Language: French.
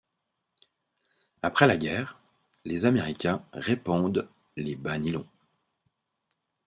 Après la guerre, les Américains répandent les bas nylon.